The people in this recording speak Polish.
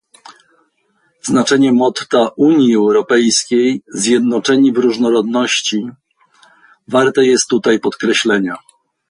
Znaczenie motta Unii Europejskiej - zjednoczeni w różnorodności - warte jest tutaj podkreślenia